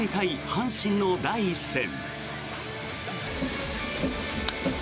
阪神の第１戦。